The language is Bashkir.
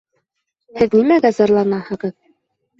Һеҙ нимәгә зарланаһығыҙ?